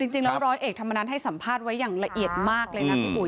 คือจริงแล้วร้อยเอกธรรมนัสให้สัมภาษณ์ไว้อย่างละเอียดมากเลยนะ